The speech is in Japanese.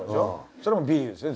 それもビリッですね。